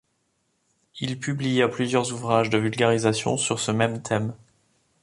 Il publia plusieurs ouvrages de vulgarisation sur ce même thème.